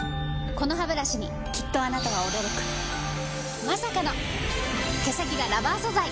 このハブラシにきっとあなたは驚くまさかの毛先がラバー素材！